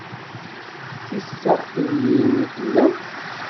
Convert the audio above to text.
D tisaxiyin i tellamt.